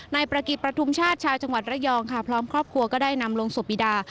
ประกิจประทุมชาติชาวจังหวัดระยองค่ะพร้อมครอบครัวก็ได้นำลงศพบิดา